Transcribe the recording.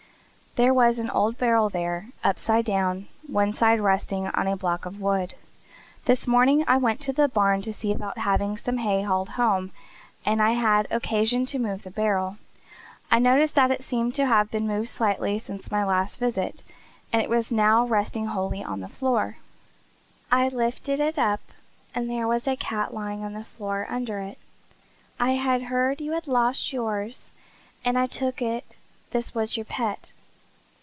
There was an old barrel there, upside down, one side resting on a block of wood. This morning I went to the barn to see about having some hay hauled home, and I had occasion to move the barrel. I noticed that it seemed to have been moved slightly since my last visit, and it was now resting wholly on the floor. I lifted it up and there was a cat lying on the floor under it. I had heard you had lost yours and I took it this was your pet.